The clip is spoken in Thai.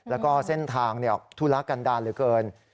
แล้วก็เส้นทางธุระกันดาลเหลือเกิน